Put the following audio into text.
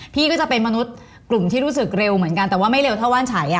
พี่ก็จะเป็นมนุษย์กลุ่มที่รู้สึกเร็วเหมือนกันแต่ว่าไม่เร็วเท่าว่านชัย